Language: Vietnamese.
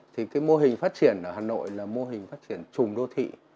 thì mô hình phát triển ở hà nội là mô hình phát triển trùm đô thị